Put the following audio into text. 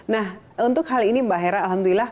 nah untuk hal ini mbak hera alhamdulillah